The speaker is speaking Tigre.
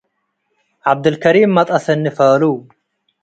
ዐብደልከሪም መጥአ ሰኒ ፋሉ